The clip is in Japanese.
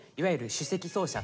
首席奏者？